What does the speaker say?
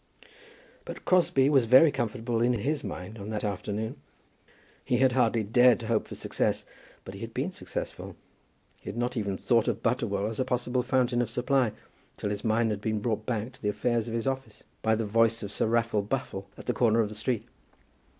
But Crosbie was very comfortable in his mind on that afternoon. He had hardly dared to hope for success, but he had been successful. He had not even thought of Butterwell as a possible fountain of supply, till his mind had been brought back to the affairs of his office, by the voice of Sir Raffle Buffle at the corner of the street.